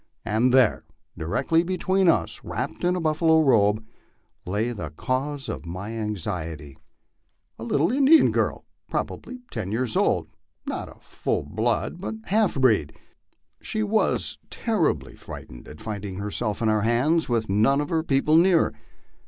And there, directly between us, wrapped in a buffalo robe, lay the cause of my anxiety a little Indian girl, probably ten years old ; not a full blood, but a half breed. She was terri bly frightened at finding herself in our hands, with none of her people near.